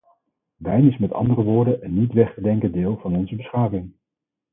Wijn is met andere woorden een niet weg te denken deel van onze beschaving.